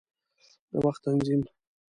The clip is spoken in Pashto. د وخت تنظیم